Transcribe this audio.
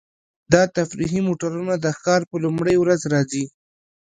دا تفریحي موټرونه د ښکار په لومړۍ ورځ راځي